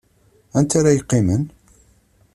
Anta ara yeqqimen?